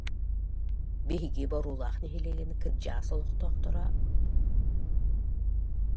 Биһиги Боруулаах нэһилиэгин кырдьаҕас олохтоохторо М